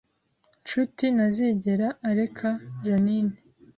Nshuti ntazigera areka Jeaninne